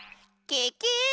ケケ！